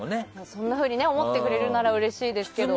そんなふうに思ってくれるならうれしいですけど。